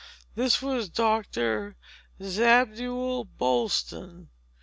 This was Doctor Zabdiel Boylston.